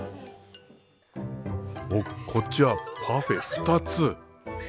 おっこっちはパフェ２つ。